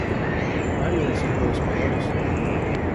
Mario es hijo de españoles.